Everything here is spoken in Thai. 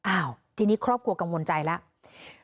อ้าวทีนี้ครอบครัวกังวลใจแล้ว